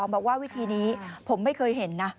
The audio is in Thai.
บอกว่าวิธีนี้ผมไม่เคยเห็นนะ